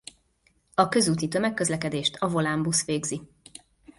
A közúti tömegközlekedést a Volánbusz végzi.